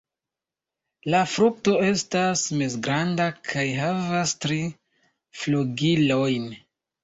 La frukto estas mezgranda kaj havas tri flugilojn.